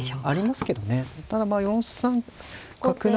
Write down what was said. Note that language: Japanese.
ただまあ４三角成。